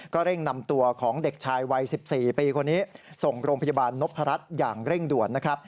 เร่งนำตัวของเด็กชายวัย๑๔ปีคนนี้ส่งโรงพยาบาลนพรัชอย่างเร่งด่วนนะครับ